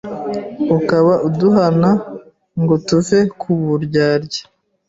ukaba uduhana ngo tuve ku buryarya